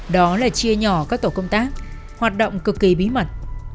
đó là chia nhỏ các tổ công tác hoạt động cực kỳ bí mật